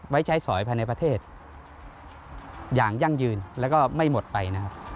ไว้ใช้สอยภายในประเทศอย่างยั่งยืนและไม่หมดไป